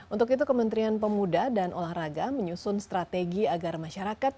untuk itu kementerian pemuda dan olahraga menyusun strategi agar masyarakat